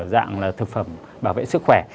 dạng là thực phẩm bảo vệ sức khỏe